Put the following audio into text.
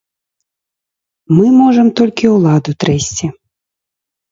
Мы можам толькі ўладу трэсці.